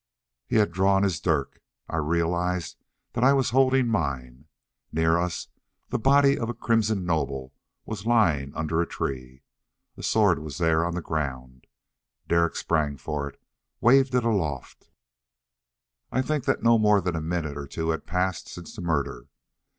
He had drawn his dirk. I realized that I was holding mine. Near us the body of a crimson noble was lying under a tree. A sword was there on the ground. Derek sprang for it, waved it aloft. I think that no more than a minute or two had passed since the murder.